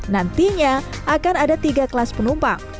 nantinya akan ada tiga kelas penumpang